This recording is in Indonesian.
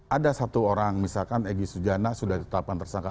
ada satu orang misalkan egy sujana sudah ditetapkan tersangka